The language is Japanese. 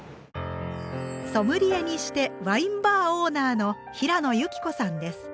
ソムリエにしてワインバーオーナーの平野由希子さんです。